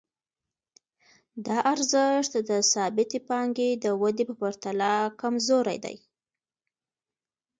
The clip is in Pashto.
دا ارزښت د ثابتې پانګې د ودې په پرتله کمزوری دی